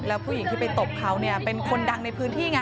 แล้วผู้หญิงที่ไปตบเขาเนี่ยเป็นคนดังในพื้นที่ไง